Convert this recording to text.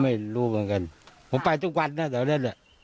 ผีบางตาเราไม่รู้เหมือนกันผมไปทุกวันน่ะแต่ว่านั่นแหละ